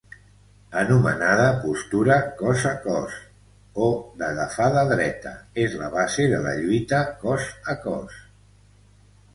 Anomenada postura cos a cos o d'agafada dreta, és la base de la lluita cos a cos.